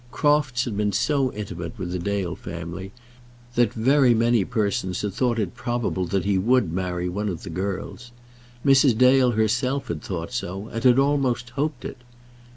Crofts had been so intimate with the Dale family that very many persons had thought it probable that he would marry one of the girls. Mrs. Dale herself had thought so, and had almost hoped it.